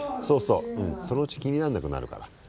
そうそうそのうち気になんなくなるから。